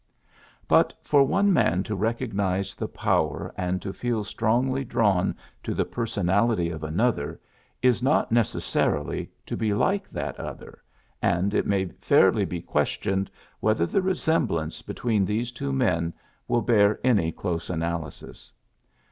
'' But for one man to recognize the power and to feel strongly drawn to the personality of another is not necessarily to be like that other, and it may fairly be questioned whether the resemblance between these two men will bear any close analysis.